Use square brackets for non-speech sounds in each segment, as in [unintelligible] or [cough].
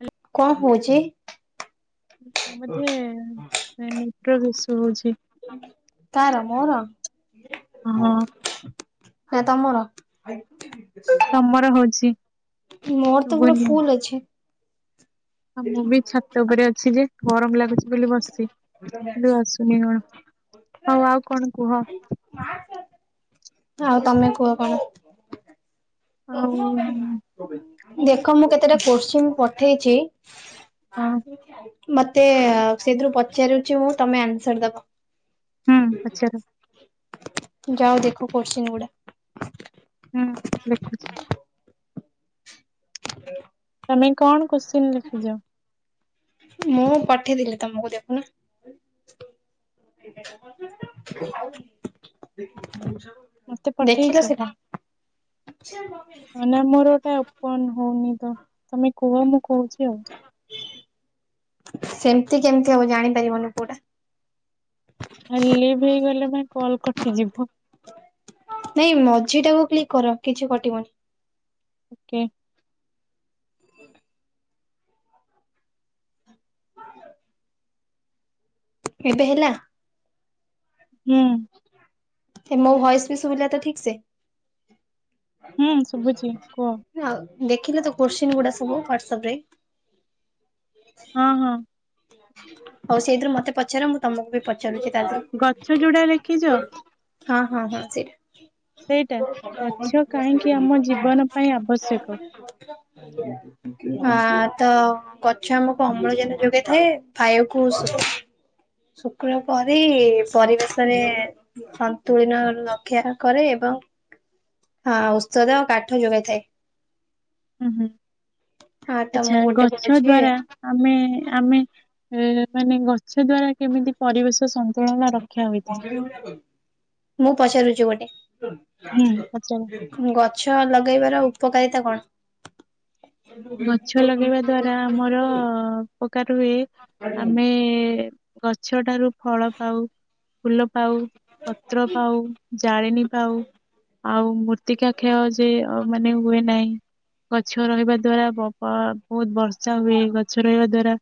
ହୁଁ। କଣ ହୋଉଚି? ବୋଧେ ନେଟୱାର୍କ ଇସୁ ହୋଉଚି। କାହାର ମୋର? ହଁ ମୋର। ନାଁ ତମର? ତମର ହୋଉଚି। ମୋର ତ ପୁରା ଫୁଲ୍ ଅଛି। ହଁ ମୁଁ ବି ଛାତ ଉପରେ ଅଛି ଯେ ଗରମ ଲାଗୁଛି ବୋଲି ବସିଚି ଆସ ନି କଣ? ହୋଉ ଆଉ କଣ କୁହ? ଆଉ ତମେ କୁହ କଣ? ଆଉ ଦେଖ ମୁଁ କେତେଟା କୋଶ୍ଚିନ୍ ପଠେଇଚି। ହଁ ମତେ ସେଥିରୁ ପଚାରୁଚି ମୁଁ ତମେ ଆନ୍ସାର ହୁଁ ଦବ। ପଚାର ଯାଅ ଦେଖ କୋଶ୍ଚିନ୍ ଗୁଡା? ହୁଁ ଦେଖୁଚି? ହେ [inaudible] ତମେ କଣ କୋଶ୍ଚିନ୍ ଲେଖିଚ? ମୁଁ ପଠେଇଦେଲି ତମକୁ ଦେଖୁନ? ଖ ମତେ [inaudible] ପଠେଇଛ ଦେଖିଲ ସେଟା? ମାନେ ମୋର ଏଟା ଓପନ୍ ହୋଉନି ତ ତମେ କୁହ ମୁଁ କୋହୁଚି ଆଉ। ସେମିତି କେମିତି ହବ ଜାଣିପାରିବନି କୋଉଟା। ଏ ଲିିଭ ହେଇଗଲେ ପୁଣି କଲ୍ କଟିଯିବ। ନାଇଁ ମଝି ଟାକୁ କ୍ଲିକ୍ କର କିଛି କଟିବନି। ଓକେ। ଏବେ ହେଲା? ହୁଁ। ଏ ମୋ ଭଏସ୍ ବି ଶୁଭିଲା ତ ଠିକ୍ ସେ। ହୁଁ ଶୁବୁଚି କୁହ? ଆଉ ଦେଖିଲ ତ କୋଶ୍ଚିନ୍ ଗୁଡା ସବୁ ହ୍ୱାଟସଅପ୍ ରେ? ହଁ ହଁ। ହଉ ସେଇଥିରୁ ମତେ ପଚାର ମୁଁ ତମକୁ ବି ପଚାରୁଚି ତା ଭି ଗଛ ଯୋଉଟା ଲେଖିଚ? ହଁ ହଁ ହଁ ସେଇଟା। ସେଇଟା ଗଛ କାହିଁକି ଆମ ଜୀବନ ପାଇଁ ଆବଶ୍ୟକ? ହଁ ତ। ଗଛ ଆମକୁ ଅମ୍ଳଜାନ ଯୋଗେଇଥାଏ ଖାଇବାକୁ ଶୁକ୍ଳ ପରି ପରିବେ ଶରେ ସନ୍ତୁଳନ ରକ୍ଷା କରେ ଏବଂ। ହଁ ଔଷଧ, କାଠ ଯୋଗାଇଥାଏ। ହୁଁ ହୁଁ ହଁ ତ ଆଚ୍ଛା ମୁଁ ଗୋଟେ ଗଛ କହୁଛି ଦ୍ଵାରା। ଆମେ ଆମେ ଏ ମାନେ ଗଛ ଦ୍ଵାରା କେମିତି ପରିବେଶ ସ ମୁଁ ପଚାରୁଛି ଗୋଟେ। ହୁଁ। ପଚାର ଗଛ ଲଗେଇବାର ଉପକାରିତା କଣ? ଗଛ ଲଗେଇବା ଦ୍ଵାରା ଆମର ଉପକାର ହୁଏ ଆମେ। ଗଛ ଟାରୁ। ଫଳ ପାଉ ଫୁଲ ପାଉ ପତ୍ର ପାଉ ଜାଳେଣି ପାଉ। ଆଉ ମୂର୍ତ୍ତିକା କ୍ଷୟ ଯେ ଅ ମାନେ ହୁଏ ନାହିଁ। ଗଛ ରହିବା ଦ୍ଵାରା ବ-ବ-ବହୁତ ବର୍ଷା ହୁଏ। ଗଛ ରହିବା ଦ୍ଵାରା।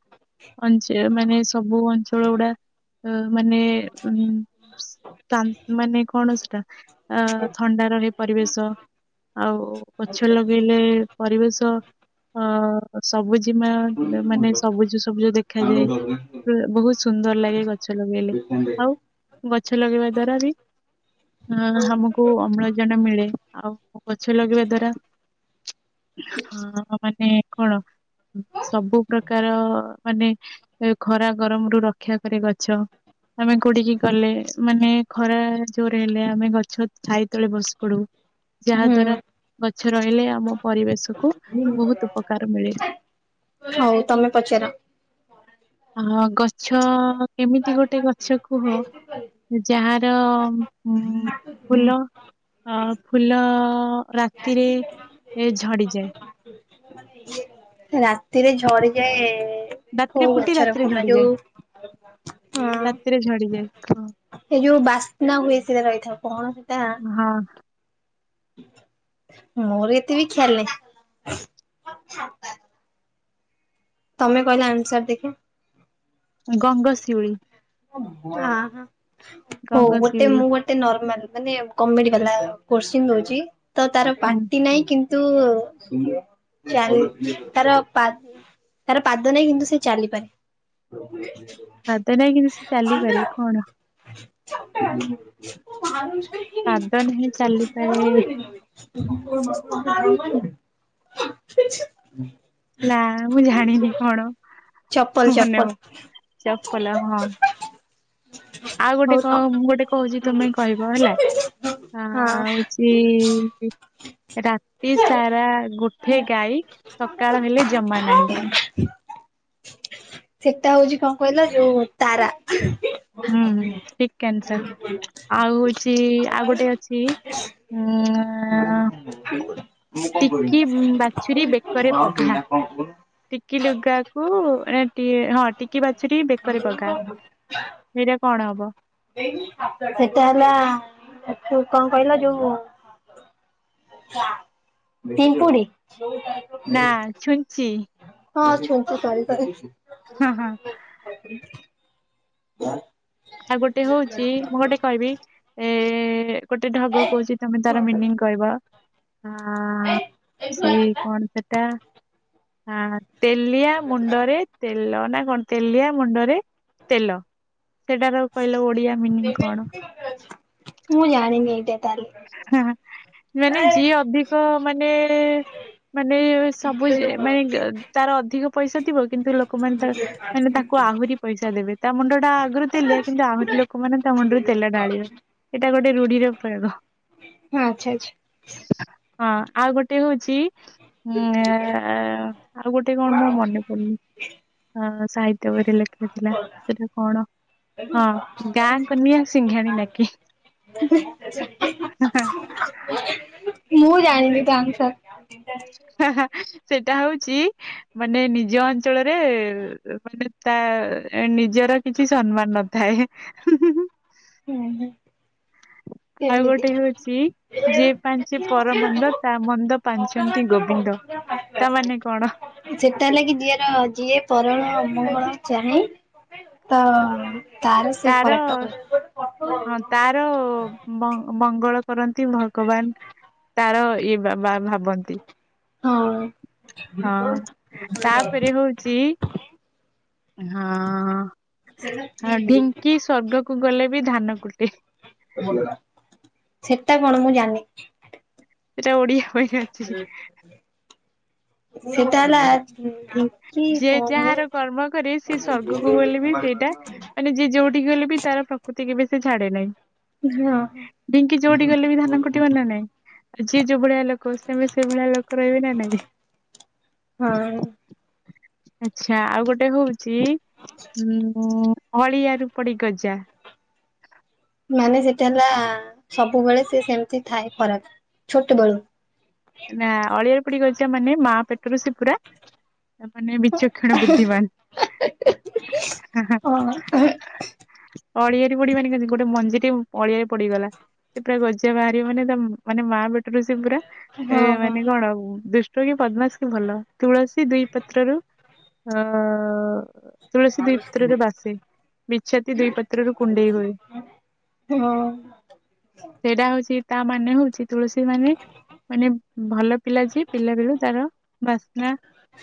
ଅଞ୍ଚ ମାନେ ସବୁ ଅଞ୍ଚଳ ଗୁଡା ଅ ମାନେ ଉଁ ତା ମାନେ କଣ ସେଟା ଆ ଥଣ୍ଡା ରହେ ପରିବେଶ। ଆଉ ଗଛ ଲଗେଇଲେ ପରିବେଶ। ଅ ସବୁଜିମା [unintelligible] ମାନେ ସବୁଜ ସବୁଜ ଦେଖାଯାଏ। ଅ ବହୁତ ସୁନ୍ଦର ଲାଗେ ଗଛ ଲଗେଇଲେ ଆଉ ଗଛ ଲଗେଇବା ଦ୍ଵାରା ବି। ଅ ଆମକୁ ଅମ୍ଳଜାନ ମିଳେ ଆଉ ଗଛ ଲଗେଇବା ଦ୍ଵାରା। ହଁ ମାନେ କଣ? ସବୁ ପ୍ରକାର ମାନେ। ଏ ଖରା, ଗରମ ରୁ ରକ୍ଷା କରେ ଗଛ। ଆମେ କୋଉଠି କି ଗଲେ ମାନେ ଖରା ଜୋରେ ହେଲେ ଆମେ ଗଛ ଛାଇ ତଳେ ବସି ପଡୁ। ଯାହା ହୁଁ ଦ୍ଵାରା ଗଛ ରହିଲେ ଆମ ପରିବେଶ କୁ ବହୁତ ଉପକାର ମିଳେ। ହଉ ତମେ ପଚାର। ଅ ହ ଗଛ ଏମିତି ଗୋଟେ ଗଛ କୁହ ଯାହା। ରେ ଅ ମ ଫୁଲ। ଅ ଫୁଲ ରାତିରେ ଏ ଝଡିଯାଏ। ରାତିରେ ଝଡିଯାଏ। ରାତିରେ କଉ ଫୁଟି ଗଛର ରାତିରେ ଫୁଲ ଯଉ ଅଁ। ତିରେ ଝଡିଯାଏ କ ଏ ଯୋଉ ବାସ୍ନା ହୁଏ ସେଟା ରହିଥାଅ କଣ ସେଟା। ହଁ। ମୋର ଏତେ ବି ଖିଆଲ ନାହିଁ। ତମେ କହିଲ ଆନ୍ସର ଦେଖିଆ। ଗଙ୍ଗଶିଉଳି। ହଁ ହଁ ହଉ ଗଙ୍ଗ ଗୋଟେ ଶିଉଳି ମୁଁ ଗୋ ଟେ ନର୍ମାଲ ମାନେ କମେଡି ବାଲା କୋଷ୍ଚିନ ଦଉଛି ତ ତାର ହୁଁ ପାଟି ନାହିଁ କି ତୁ ଚାଲ ତାର ପା ତାର ପାଦ ନାହିଁ କିନ୍ତୁ ସେ ଚାଲିପାରେ। ପାଦ ନାହିଁ କିନ୍ତୁ ସେ ଚାଲିପାରେ କଣ? [unintelligible] କଁ ମାରୁଚୁ। ପାଦ ନାହିଁ ଚାଲିପାରିବେ। [unintelligible] ନା ମୁଁ ଜାଣିନି କଣ ଚପଲ ମନେ ଚପଲ ଚପଲ ହଁ। ଆଉ ଗୋଟେ ହଉ ତ କଣ ମୁଁ ଗୋଟେ କହୁଛି ତମେ କହିବ ହେଲା। ହଁ ଆଁ ହଉଛି। ରାତି ସାରା ଗୋଠେ ଗାଈ ସକାଳ ହେଲେ ଜମା ନାହିଁ। ସେଟା ହଉଛି କଣ କହିଲ ଯୋଉ ତାରା। ହୁଁ ହୁଁ ଠିକ୍ ଆନସର୍ ଆଉ ହଉଛି ଆଉ ଗୋଟେ ଅଛି। ଉଁ [inaudible] ଟିକି ବାଛୁରୀ ବେକରେ ପଘା ଟିକି ଲୁଗାକୁ ଟି ହଁ ଟିକି ବାଛୁରୀ ବେକରେ ପଘା ଏଇଟା କଣ ହବ? ସେଟା ହେଲା ଏ ଯୋଉ କଣ କହିଲ ଯୋଉ ପିମ୍ପୁଡି। ନା ଛୁଞ୍ଚି। ହଁ ଛୁଞ୍ଚି ସରିସରି। ହଁ ହଁ। ଗଁଅ। ଆଉ ଗୋଟେ ହଉଛି ମୁଁ ଗୋଟେ କହିବି ଏ ଗୋଟେ ଢଗ କହୁଛି ତମେ ତାର ମିନିଂ କହିବ? ହଁ ସେ କଣ ସେଟା ଆ ତେଲିଆ ମୁଣ୍ଡରେ ତେଲ ନା କଣ ତେଲିଆ ମୁଣ୍ଡରେ ତେଲ। ସେଇଟା କଣ କହିଲ ଓଡିଆ? ମିନିଂ କଣ ମୁଁ ଜାଣିନି ଏଇଟା ତାହେଲେ? ହା ହାଁ ମାନେ ଯିଏ ଅଧିକ ମାନେ ମାନେ ସବୁ ମାନେ ତାର ଅଧିକ ପଇସା ଥିବ କିନ୍ତୁ ଲୋ କ ମାନେ ତାକୁ ମାନେ ତାକୁ ଆହୁରି ପଇସା ପଇସା ଦେବେ ତା ମୁଣ୍ଡ ଟା ଆଗରୁ ତେଲିଆ କିନ୍ତୁ ଆହୁରି ଲୋକମାନେ ତା ମୁଣ୍ଡରେ ତେଲ ଢାଳିବେ। ଏଇଟା ଗୋଟେ ରୁଢିର ପ୍ରୟୋଗ। ହଁ, ଆଚ୍ଛା ଆଚ୍ଛା। ହଁ ଆଉ ଗୋ ଟେ ହଉଛି ଉ ଆଉ ଗୋଟେ କଣ ମୋ ମନେ ପଡୁନି। ଆ ସାହିତ୍ୟ ବହିରେ ଲେଖା ହେଇଥିଲା ସେଟା କଣ? ହଁ ଗାଁ କନିଆ ସିଂଘାଣୀ ନାକିି। [inaudible] [inaudible] ମୁଁ ଜାଣିନି ତା ଆନ୍ସର। [unintelligible] ହା ହା ସେଇଟା ହଉଛି ମାନେ ନିଜ ଅଞ୍ଚଳରେ ମାନେ ତା ଏ ନିଜର କିଛି ସମ୍ମାନ ନଥାଏ। ହୁଁ ହୁଁ। ହୁଁ ହୁଁ। ଆଉ ସେମିତି ଗୋଟେ ହଉଛି ଯେ ପାଞ୍ଚେ ପରମନ୍ଦ ତା ମନ୍ଦ ପାଞ୍ଚନ୍ତି ଗୋବିନ୍ଦ। ତା ମାନେ କଣ? ସେତା ହେଲା କି ଯିଅର ଯିଏ ପରର ଅମଙ୍ଗଳ ଚାହେଁ ତ ସେ ତାର ଖରାପ ଟା ହଁ ତାର ମ ମଙ୍ଗଳ କରନ୍ତି ଭଗବାନ୍ ତାର ଇଏ ବାବା ଭାବନ୍ତି। ହଁ ହଁ ତାପରେ ହଉଚି ହଁ ଅ ଢିଙ୍କି ସ୍ଵର୍ଗକୁ ଗଲେ ବି ଧାନ କୁଟେ ସେଟା କଣ ମୁଁ ଜାଣିନି। ସେଟା ଓଡିଆ ପାଇଁ ଅଛି। ସେଟା ହେଲା ଢ଼ି ଯିଏ ଯାହାର କର୍ମ କରେ ସିଏ ସ୍ଵର୍ଗକୁ ଗଲେ ବି ସେଇଟା ମାନେ ଯିଏ ଯୋଉଠି ଗଲେ ବି ତାର ପ୍ରକୃତି କେବେ ସେ ଛାଡ଼େ ନାହିଁ ହଁ ଢଙ୍କି ଯୋଉଟିକି ଗଲେବି ଧାନ କୁଟିବ ନା ନାଇଁ? ଯିଏ ଯୋଉ ଭଳିଆ ଲୋକ ସିଏବି ସେଇ ଭଳିଆ ଲୋକ ରହିବେ ନା ନାଇଁ ହଁ ଆଚ୍ଛା ଆଉ ଗୋଟେ ହଉଚି ଉଁ ଅଳିଆରୁ ପଡ଼ି ଗଜା ମାନେ ସେଟା ହେଲା ସବୁବେଳେ ସେ ସେମିତି ଥାଏ ଖରାପ୍ ଛୋଟ ବେଳୁ ନା ଅଳିଆରୁ ପଡ଼ି ଗଜା ମାନେ ମା ପେଟରୁ ସେ ପୁରା ତାମାନେ ବିଚକ୍ଷଣ ବୁଦ୍ଧି ବାହାନ [unintelligible] ହଁ। ଅଳିଆରେ ପଡ଼ି ମାନେ କେମିତି ଗୋଟେ ମଞ୍ଜିଟେ ଅଳିଆରେ ପଡ଼ିଗଲା ସେ ପୁରା ଗଜା ବାହାରିବ ମାନେ ତା ମାନେ ମା ପେଟରୁ ସେ ପୁରା ହଁ ଏ ହଁ ହଁ। ମାନେ କଣ ଦୁ କି ପଦ୍ମାସ କି ଭଲ ତୁଳସୀ ଦୁଇ ପତ୍ରରୁ ଅ ତୁଳସୀ ଦୁଇ ପତ୍ରରୁ ବାସେ ବିଛୁଆତି ଦୁଇ ପତ୍ରରୁ କୁଣ୍ଡେଇ ହୁଏ। ହଁ। ସେଇଟା ହଉଚି ତା ମାନେ ହଉଚି ତୁଳସୀ ମାନେ ମାନେ ଭଲପିଲାଯେ ପିଲାବେଳୁ ତାର ବାସ୍ନା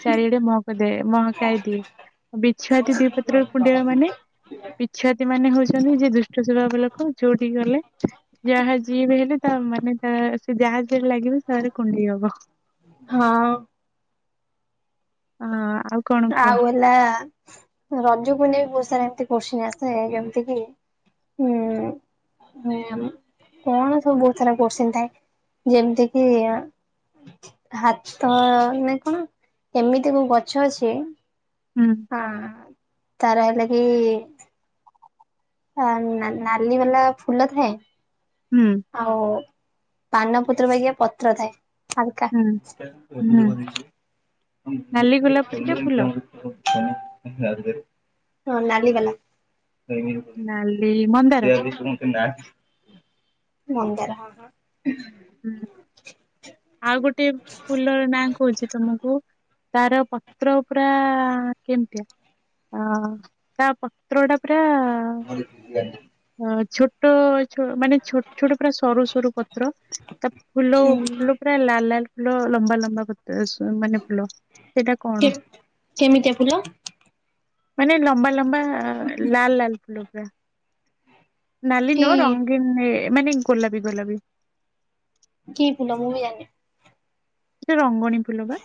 ଚାରିଆଡ଼େ ମହକାଦିଏ ମହକାଇଦିଏ। ବିଛୁଆତି ଦୁଇ ପତ୍ରରୁ କୁଣ୍ଡେଇବା ମାନେ ବି ବିଛୁଆତି ମାନେ ହଉଚନ୍ତି ଯେ ଦୁଷ୍ଟ ସୋଭାବ ଲୋକ ଯୋଉଠିକି ଗଲେ ଯାହା ଯିଏବି ହେଲେ ତା ମାନେ ତା ସେଯାହା ସହିତ ଲାଗିବ ତାର କୁଣ୍ଡେଇ ହବ। ହଁ। ହଁ ଆଉ କଣ ଆଉ କୁହ? ହେଲା ରଜକୁ ନେଇ ବହୁତ ସାରା ଏମିତି କୋସ୍ଚିନ୍ ଆସ ଯେମିତି କି ହୁଁ। ହଁ କଣ ସବୁ ବହୁତ୍ ସାରା କୋସ୍ଚିନ୍ ଥାଏ ଯେମିତି କିି ହାତ ନେ କଣ ଏମିତି କୋଉ ଗଛ ଅଛି ହୁଁ। ହଁ ତାର ହେଲେ କି ଅ ନା ନାଲି ବାଲା ଫୁଲ ଥାଏ ହୁଁ। ଆଉ ପାନପତ୍ର ପାଇଁକା ପତ୍ର ଥାଏ। ହାଲୁକା ହୁଁ ହୁଁ [unintelligible] ହଁ ନାଲି ଗୋଲାପ ପରିକା ଫୁଲ ନଲିିବାଲା ନାଲି ମନ୍ଦାର [unintelligible] ମନ୍ଦାର ହଁ ହଁ। ହୁଁ। ଆଉ ଗୋଟେ ଫୁଲର ନାଁ କହୁଚି ତୁମକୁ ତାର ପତ୍ର ପୁରା କେମିତିଆ ଅ ତା ପତ୍ରଟା ପୁରା ଅ ଛୋଟ ଛୋ ମାନେ ଛୋଟ ଛୋଟ ପୁରା ସରୁ ସରୁ ପତ୍ର ତା ଫୁଲ ହଁ ଫୁଲ ପୁରା ଲାଲ ଲାଲ ଫୁଲ ଲମ୍ବା ଲମ୍ବା ପ ସ ମାନେ ଫୁଲ ସେଇଟା କଣ କେମିତିଆ ଫୁଲ ମାନେ ଲମ୍ବା ଲମ୍ବା ଲାଲ ଲାଲ ଫୁଲ ପୁରା ନାଲି କି ନୁହଁ ରଙ୍ଗୀନ ମାନେ ଗୋଲାପୀ ଗୋଲାପୀ କି ଫୁଲ ମୁଁ ବି ଜାଣିନି ସେ ରଙ୍ଗଣୀ ଫୁଲ ବା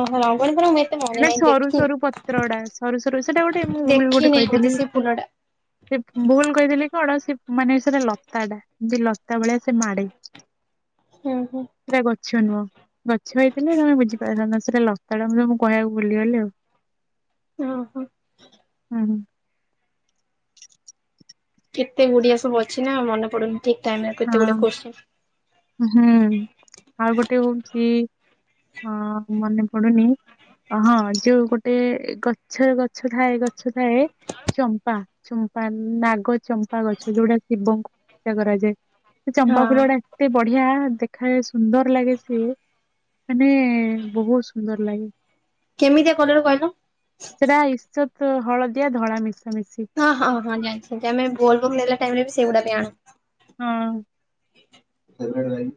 ଓହୋ ରଙ୍ଗଣୀ ଫୁଲ ମୁଁ ଏ ମାନେ ସରୁ ସରୁ ପତ୍ର ଗୁଡା ସରୁ ସରୁ ସେଟା ଗୋଟେ ମୁଁ ଭୁଲ୍ ଗୋଟେ ଦେଖିନି ବୋଧେ କହିଦେଲି ସେ ଫୁଲ ଟା ସେ ଭୁଲ କହିଦେଲି କଣ ସେ ମାନେ ସେଟା ଲତା ଟା ଯେ ଲତା ଭଳିଆ ସେ ମାଡେ ହୁଁ ହୁଁ ସେଟା ଗଛ ନୁହଁ ଗଛ ହେଇଥିଲେ ତମେ ବୁଝିପାରିଥାନ୍ତ ସେଇଟା ଲତାଟା ମୁଁ ତମକୁ କହିବାକୁ ଭୁଲିଗଲି ଆଉ ଓହୋ ହୁଁ କେତେ ଗୁଡିଆ ସବୁ ଅଛିନା ମନେ ପଡୁନି ଠିକ ଟାଇମରେ କେତେ ଗୁଡିଏ ହଁ କୋର୍ସ ହୁଁ ଆଉ ଗୋଟେ ହଉଛି ହଁ ମନେ ପଡୁନି ହଁ ଯୋଉ ଗୋଟେ ଗଛ ଗଛ ଥାଏ ଗଛ ଥାଏ ଚମ୍ପା ଚମ୍ପା ନାଗ ଚମ୍ପା ଗଛ ଯୋଉଟା ଶିବଙ୍କୁ ପୂଜା କରାଯାଏ ସେ ଚମ୍ପା ଫୁୁଲ ହଁ ଗୁଡା ଏତେ ବଢିଆ ଦେଖାଏ ସୁନ୍ଦର ଲାଗେ ସିଏ ମାନେ ବହୁତ ସୁନ୍ଦର ଲାଗେ କେମିତିଆ କଲର କହିଲ ସେଟା ଇସତ ହଳଦିଆ ଧଳା ମିଶା ମିଶି ହଁ ହଁ ହଁ ଜାଣିଛି ଆମେ ବୋଲବମ ନେଲା ଟାଇମ ରେ ବି ସେଇଗୁଡା ବି ଆଣୁ ହଁ ହେରା ନାହିଁ